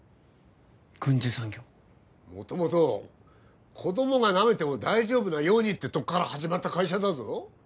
軍需産業元々子供がなめても大丈夫なようにってとこから始まった会社だぞ？